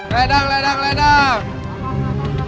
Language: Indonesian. ledang ledang ledang